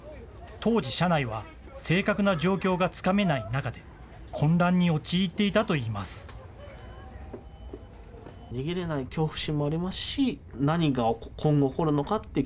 当時、車内は正確な状況がつかめない中で、混乱に陥っていたといいます。